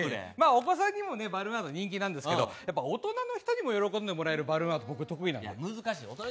お子さんにもバルーンアート人気なんですけど大人の人にも喜んでも会えるバルーンアートできるんです。